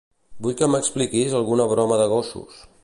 Vull que m'expliquis alguna broma de gossos.